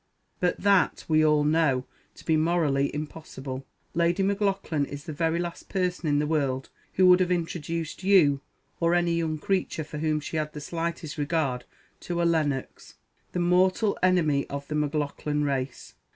But that we all know to be morally impossible. Lady M'Laughlan is the very last person in the world who would have introduced you, or any young creature for whom she had the slightest regard, to a Lennox, the _mortal enemy of the M'Laughlan race!